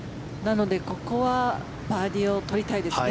ここはバーディーを取りたいですね。